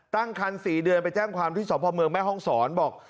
ตั้งคัน๔เดือนไปแจ้งความที่สพเมืองแม่ห้องศรบอก